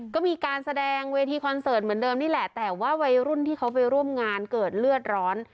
ก็มีการแสดงเวทีคอนเสิร์ตเหมือนเดิมนี่แหละแต่ว่าวัยรุ่นที่เขาไปร่วมงานเกิดเลือดร้อน